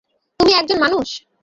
তুমি একজন মানুষ?